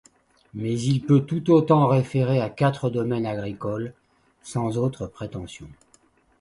Mais il peut tout autant référer à quatre domaines agricoles sans autre prétention.